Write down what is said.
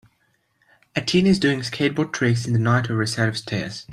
A teen is doing skateboard tricks in the night over a set of stairs